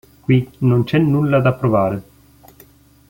Qui non c'è nulla da provare".